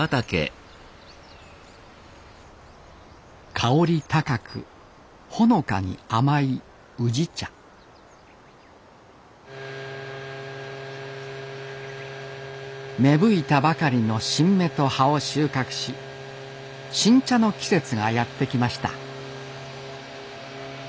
香り高くほのかに甘い宇治茶芽吹いたばかりの新芽と葉を収穫し新茶の季節がやって来ました